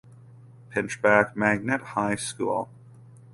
Pinchback Magnet High School.